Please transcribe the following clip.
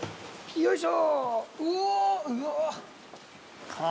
よいしょ。